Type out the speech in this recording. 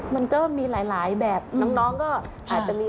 มันก็มีหลายแบบน้องก็อาจจะมี